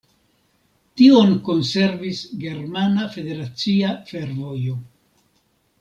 Tion konservis Germana Federacia Fervojo.